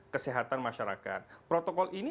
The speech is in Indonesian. kesehatan masyarakat protokol ini